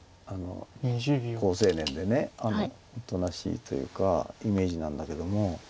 好青年でおとなしいというかイメージなんだけども。